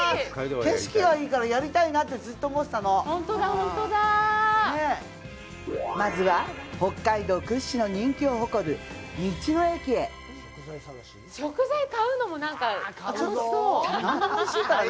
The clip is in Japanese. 景色がいいからやりたいなってずっと思ってたのまずは北海道屈指の人気を誇る道の駅へ食材買うのも楽しそう何でもおいしいからね